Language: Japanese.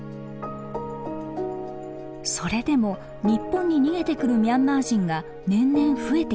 それでも日本に逃げてくるミャンマー人が年々増えていました。